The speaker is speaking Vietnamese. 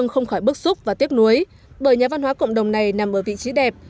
không khỏi bức xúc và tiếc nuối bởi nhà văn hóa cộng đồng này nằm ở vị trí đẹp